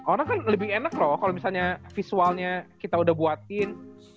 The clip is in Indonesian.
orang kan lebih enak loh kalau misalnya visualnya kita udah buatin